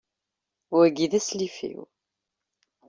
Wagi, d aslif-iw.